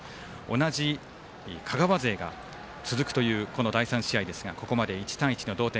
同じ香川勢が続くというこの第３試合ですがここまで１対１の同点。